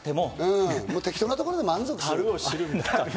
適当なところで満足する。